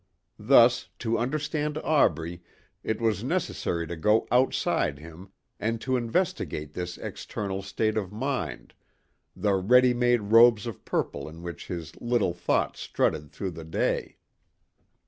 Thus to understand Aubrey it was necessary to go outside him and to investigate this external state of mind, the ready made robes of purple in which his little thoughts strutted through the day.